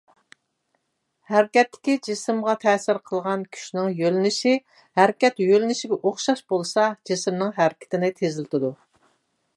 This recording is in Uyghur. ھەرىكەتتىكى جىسىمغا تەسىر قىلغان كۈچنىڭ يۆنىلىشى ھەرىكەت يۆنىلىشىگە ئوخشاش بولسا، جىسىمنىڭ ھەرىكىتىنى تېزلىتىدۇ.